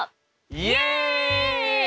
イエイ！